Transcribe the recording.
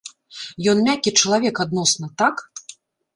Ён мяккі чалавек адносна, так?